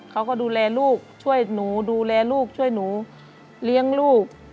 เขาก็ดูแลลูกช่วยหนูดูแลลูกช่วยหนูเลี้ยงลูก